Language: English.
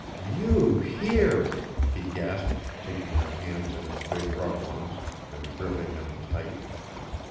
"You here!" he gasped, taking her hands in his big rough ones and gripping them tight.